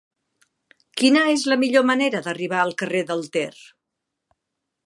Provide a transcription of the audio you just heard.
Quina és la millor manera d'arribar al carrer del Ter?